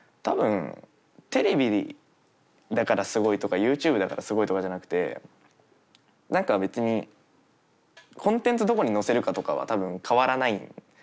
多分テレビだからすごいとかＹｏｕＴｕｂｅだからすごいとかじゃなくて何か別にコンテンツどこに載せるかとかは多分変わらない。